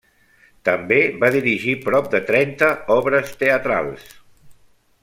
També va dirigir prop de trenta obres teatrals.